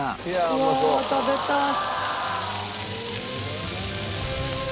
うわあ食べたい。